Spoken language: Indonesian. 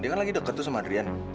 dia kan lagi deket tuh sama rian